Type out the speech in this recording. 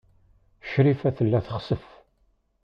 Crifa tella txessef.